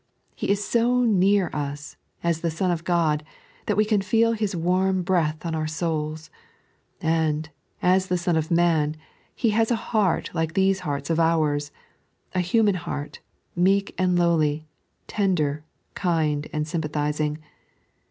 He is so near us, as the Son of Ood, that we can feel His worm breath on ovu: souls ; and, as the Son of Man, He has a heart like these hearts of ours — a human heart, meek and lowly, tender, kind, and sympathizing.